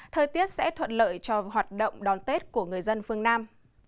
thời tiết sẽ thuận lợi cho hoạt động đón tết của người dân phương nam